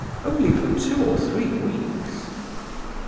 "Only for two or three weeks."